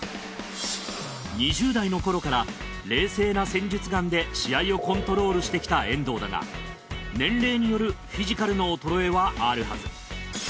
２０代のころから冷静な戦術眼で試合をコントロールしてきた遠藤だが年齢によるフィジカルの衰えはあるはず。